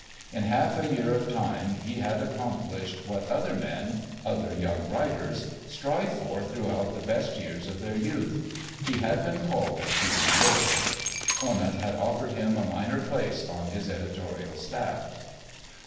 In half a year of time he had accomplished what other men—other young writers—strive for throughout the best years of their youth. He had been called to New York. Conant had offered him a minor place on his editorial staff.